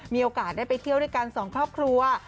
มีโอกาสได้ไปเที่ยวด้วยกันสองครอบครัว